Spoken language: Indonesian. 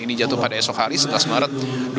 ini jatuh pada esok hari sebelas maret